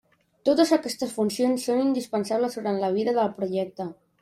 Totes aquestes funcions són indispensables durant la vida del projecte.